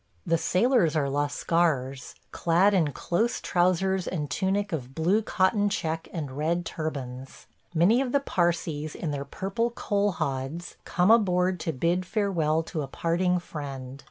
The sailors are Lascars, clad in close trousers and tunic of blue cotton check and red turbans. Many of the Parsees in their purple coal hods come aboard to bid farewell to a parting friend.